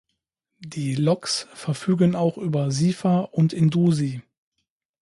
Die Loks verfügen auch über Sifa und Indusi.